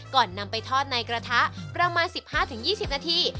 นำไปทอดในกระทะประมาณ๑๕๒๐นาที